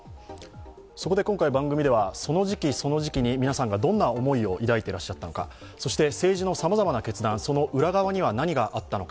そこで今回番組では、その時期、その時期に皆さんがどんな思いを抱いていたのか、そして、政治のさまざまな決断、その裏側には何があったのか。